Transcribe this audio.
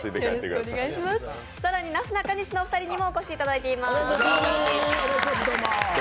更になすなかにしのお二人にもお越しいただいています。